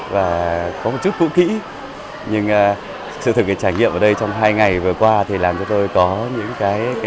và có một chút cũ kỹ nhưng sự thực hiện trải nghiệm ở đây trong hai ngày vừa qua thì làm cho tôi có những cái